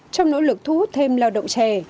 trong nỗ lực thu hút thêm lao động trẻ